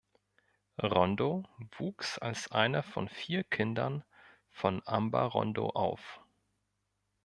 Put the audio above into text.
Rondo wuchs als eines von vier Kindern von Amber Rondo auf.